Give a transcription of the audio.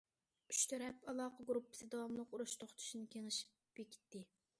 ئۇچ تەرەپ ئالاقە گۇرۇپپىسى داۋاملىق ئۇرۇش توختىتىشنى كېڭىشىپ بېكىتتى.